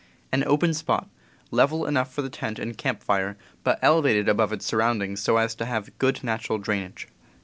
An open spot, level enough for the tent and camp fire, but elevated above its surroundings so as to have good natural drainage.